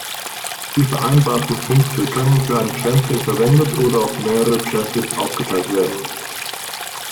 Die vereinbarten Punkte können für einen Champion verwendet oder auf mehrere Champions aufgeteilt werden.